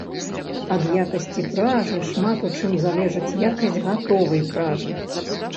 Ад якасці пражы шмат у чым залежыць якасць гатовай пражы.